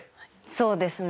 そうですね。